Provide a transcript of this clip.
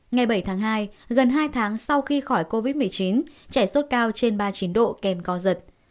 ngày bảy tháng hai gần hai tháng sau khi khỏi covid một mươi chín trẻ sốt cao trên ba mươi chín độ kèm co giật